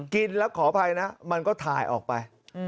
กินแล้วขออภัยนะมันก็ถ่ายออกไป